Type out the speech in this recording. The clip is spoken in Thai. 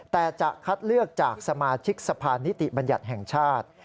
แต่จะคัดเลือกจากสมาชิกสะพานนิติบัญญัติแห่งชาติ